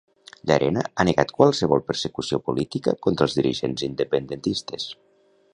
Llarena ha negat qualsevol persecució política contra els dirigents independentistes.